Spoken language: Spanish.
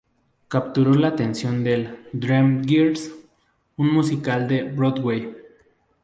Capturó la atención en "Dreamgirls", un musical de Broadway.